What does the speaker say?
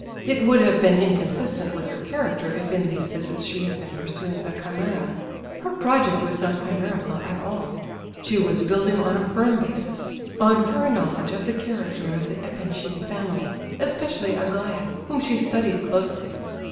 It would have been inconsistent with her character if in these visits she had been pursuing a chimera; her project was not chimerical at all; she was building on a firm basis—on her knowledge of the character of the Epanchin family, especially Aglaya, whom she studied closely.